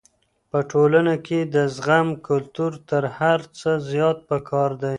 په ټولنه کي د زغم کلتور تر هر څه زيات پکار دی.